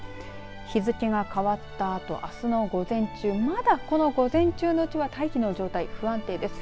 日付が変わったあとあすの午前中、まだ午前中のうちは大気の状態、不安定です。